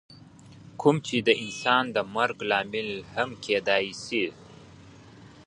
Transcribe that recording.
کوم چې انسان د مرګ لامل هم کیدی شي.